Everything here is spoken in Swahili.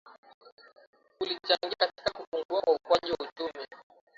kilichangia katika kupungua kwa ukuaji wa uchumi